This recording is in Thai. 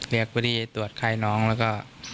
เรียกวิธีตรวจไข้น้องแล้วก็